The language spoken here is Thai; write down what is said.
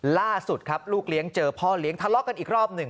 ล่าสุดครับลูกเลี้ยงเจอพ่อเลี้ยงทะเลาะกันอีกรอบหนึ่ง